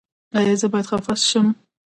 ایا زه باید خفه شم؟